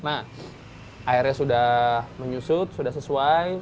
nah airnya sudah menyusut sudah sesuai